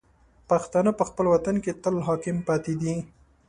پښتانه په خپل وطن کې تل حاکم پاتې دي.